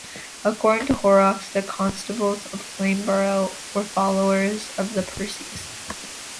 According to Horrox, the Constables of Flamborough were followers of the Percys.